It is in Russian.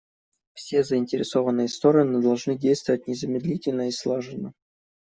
Все заинтересованные стороны должны действовать незамедлительно и слаженно.